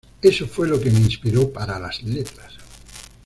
Eso fue lo que me inspiró para las letras".